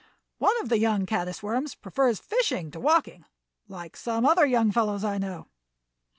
"One of the young caddis worms prefers fishing to walking, like some other young fellows I know.